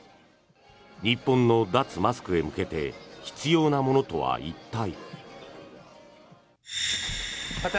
日本の脱マスクへ向けて必要なものとは一体。